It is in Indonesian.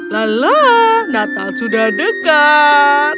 lala natal sudah dekat